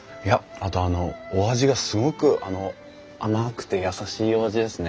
あとお味がすごく甘くて優しいお味ですね。